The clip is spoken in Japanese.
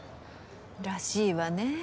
らしいわね